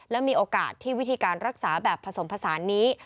และมีโอกาสที่วิธีการรักษาแบบผสมผสานนี้